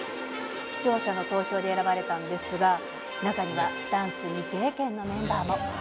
視聴者の投票で選ばれたんですが、中には、ダンス未経験のメンバーも。